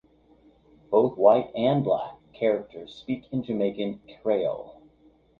Both white and black characters speak in Jamaican creole.